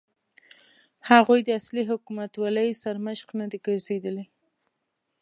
هغوی د اصلي حکومتولۍ سرمشق نه دي ګرځېدلي.